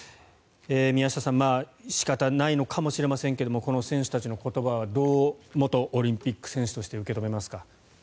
宮下さん仕方ないのかもしれませんがこの選手たちの言葉を元オリンピック選手としてどう受け止めますか？